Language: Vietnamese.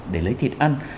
để lấy thịt ăn